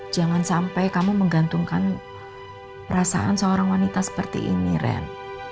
jangan sampai kamu menggantungkan perasaan seorang wanita seperti ini ren